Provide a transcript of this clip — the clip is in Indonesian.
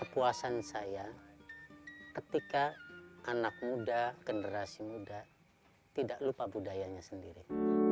ketika anak muda generasi muda tidak lupa budayanya sendiri